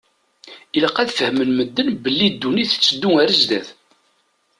Ilaq ad fehmen medden belli ddunit tetteddu ar zdat.